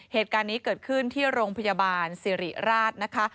เหตุการณ์นี้เกิดขึ้นที่โรงพยาบาลสิริราชนะคะ